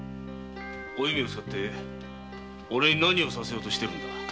お弓を使っておれに何をさせようとしてるんだ。